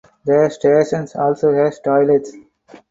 The station also has toilets.